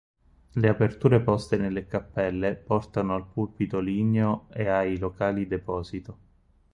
Le aperture poste nelle cappelle portano al pulpito ligneo e ai locali deposito.